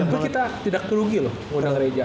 tapi kita tidak terlugi loh ngundang reza